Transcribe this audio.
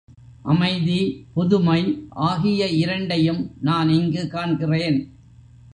அமைதி, புதுமை ஆகிய இரண்டையும் நான் இங்கு காண்கிறேன்.